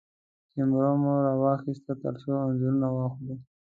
کېمره مو راواخيستله ترڅو انځورونه واخلو.